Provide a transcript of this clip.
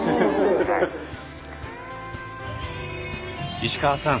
石川さん